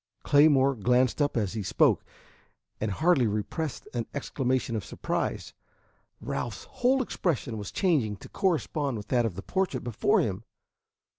Claymore glanced up as he spoke, and hardly repressed an exclamation of surprise. Ralph's whole expression was changing to correspond with that of the portrait before him.